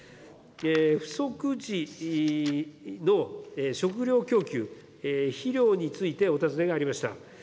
不足時の食料供給、肥料についてお尋ねがありました。